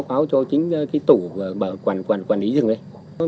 báo cho chính cái tủ quản lý rừng đây